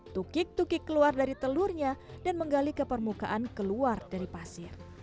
tukik tukik keluar dari telurnya dan menggali ke permukaan keluar dari pasir